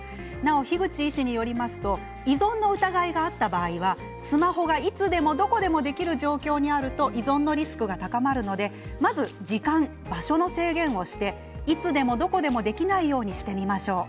樋口医師によりますと依存の疑いがあった場合はスマホがいつでもどこでもできる状況にあると依存のリスクが高まるのでまず時間、場所の制限をしていつでも、どこでもできないようにしてみましょう。